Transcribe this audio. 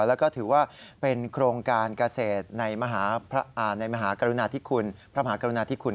แล้วก็ถือว่าเป็นโครงการเกษตรในมหากรุณาธิคุณ